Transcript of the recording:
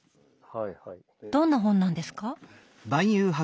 どんな本なんですか？